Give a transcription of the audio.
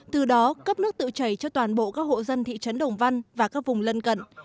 từ đó cấp nước tự chảy cho toàn bộ các hộ dân thị trấn đồng văn và các vùng lân cận